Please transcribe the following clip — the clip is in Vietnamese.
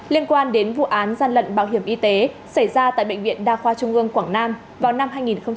liên quan đến vụ án gian lận bảo hiểm y tế xảy ra tại bệnh viện đa khoa trung ương quảng nam vào năm hai nghìn một mươi bảy